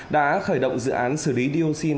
đã khởi động dự án xử lý dioxin